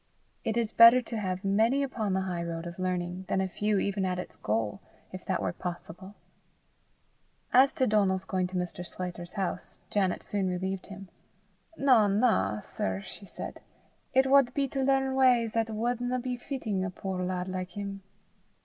It is better to have many upon the high road of learning, than a few even at its goal, if that were possible. As to Donal's going to Mr. Sclater's house, Janet soon relieved him. "Na, na, sir," she said; "it wad be to learn w'ys 'at wadna be fittin' a puir lad like him."